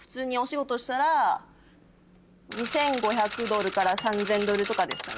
２５００ドルから３０００ドルとかですかね。